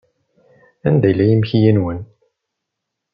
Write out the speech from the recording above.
Anda yella yimekli-nwen?